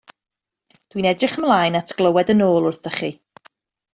Dwi'n edrych ymlaen at glywed yn ôl wrthych chi.